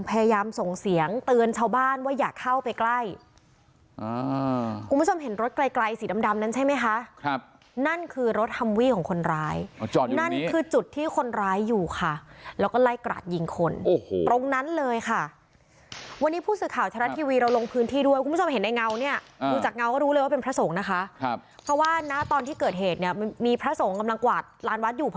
กระสุนอีกกว่าเจ็ดร้อยแล้วก็เริ่มไล่กระสุนอีกกว่าเจ็ดร้อยแล้วขับรถเหนียวออกมาทางด้านหลังของวัดป่าสัทธารวม